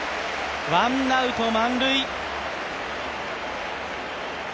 ワンアウト満塁。